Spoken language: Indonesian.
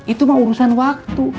itu mau urusan waktu